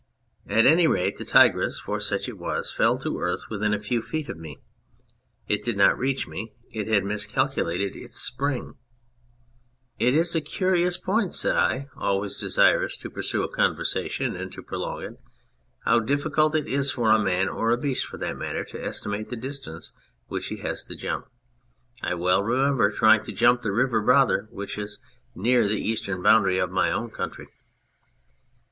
At any rate the tigress (for such it was) fell to earth within a few feet of me. It did not reach me. It had miscalculated its spring. ..." 248 The Hunter " It is a curious point," said I (always desirous to pursue a conversation and to prolong it), " how difficult it is for a man, or a beast for that matter, to estimate the distance which he has to jump. I well remember trying to jump the River Rother, which is near the eastern boundary of my own county.